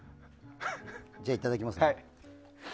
じゃあ、いただきますね。